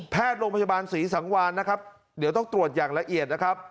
โรงพยาบาลศรีสังวานนะครับเดี๋ยวต้องตรวจอย่างละเอียดนะครับ